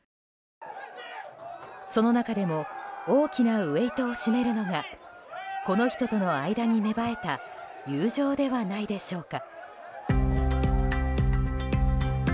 その中でも大きなウェイトを占めるのがこの人との間に芽生えた友情ではないでしょうか。